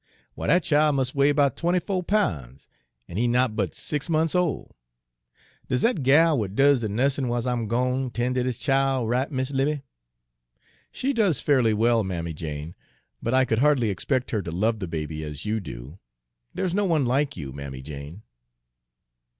W'y, dat chile mus' weigh 'bout twenty fo' poun's, an' he not but six mont's ole. Does dat gal w'at does de nussin' w'iles I'm gone ten' ter dis chile right, Mis' 'Livy?" "She does fairly well, Mammy Jane, but I could hardly expect her to love the baby as you do. There's no one like you, Mammy Jane."